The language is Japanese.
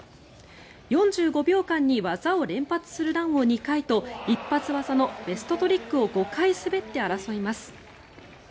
４５秒間に技を連発するランを２回と一発技のベストトリックを５回滑って争います。